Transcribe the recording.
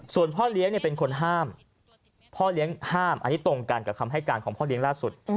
ส่วนพ่อเลี้ยงเป็นคนห้ามพ่อเลี้ยงห้ามอันนี้ตรงกันกับคำให้การของพ่อเลี้ยงล่าสุด